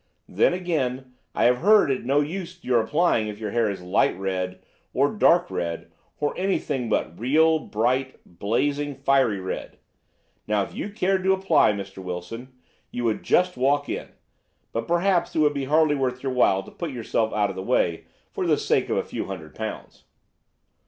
Then, again, I have heard it is no use your applying if your hair is light red, or dark red, or anything but real bright, blazing, fiery red. Now, if you cared to apply, Mr. Wilson, you would just walk in; but perhaps it would hardly be worth your while to put yourself out of the way for the sake of a few hundred pounds.